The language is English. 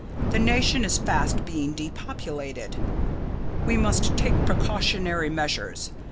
The nation is fast being depopulated. We must take precautionary measures.